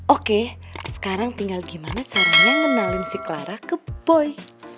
oke sekarang tinggal gimana caranya ngenalin si clara ke poi